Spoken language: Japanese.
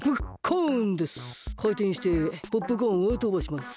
かいてんしてポップコーンをとばします。